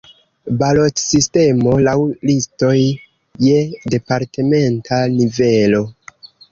Balotsistemo laŭ listoj je departementa nivelo.